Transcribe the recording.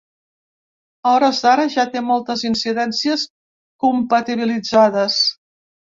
A hores d’ara ja té moltes incidències comptabilitzades.